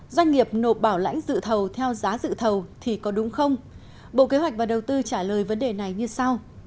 doanh nghiệp nộp bảo lãnh dự thầu theo giá dự thầu thì có đúng không bộ kế hoạch và đầu tư trả lời vấn đề này như sau